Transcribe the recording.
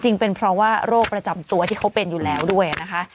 จริงเป็นเพราะว่าโรคประจำตัวที่เขาเป็นอยู่แล้วด้วยนะคะ